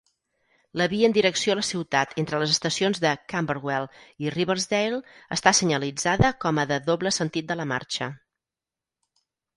La via en direcció a la ciutat entre les estacions de Camberwell i Riversdale està senyalitzada com a de doble sentit de la marxa.